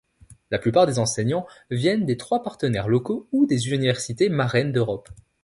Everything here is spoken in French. La plupart des enseignants viennent des trois partenaires locaux ou des universités marraines d'Europe.